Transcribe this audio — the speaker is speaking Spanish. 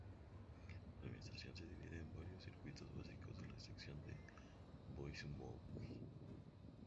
La administración se divide en varios circuitos básicos de la sección de Voie-Møvig.